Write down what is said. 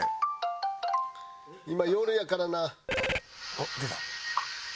あっ出た。